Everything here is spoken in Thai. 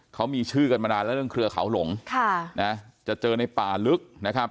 เขามีชื่อกันมานานแล้วเรื่องเครือเขาหลงจะเจอในป่าลึกนะครับ